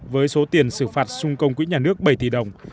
với số tiền xử phạt xung công quỹ nhà nước bảy tỷ đồng